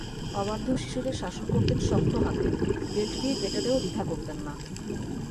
অবাধ্য শিশুদের শাসন করতেন শক্ত হাতে, বেল্ট দিয়ে পেটাতেও দ্বিধা করতেন না।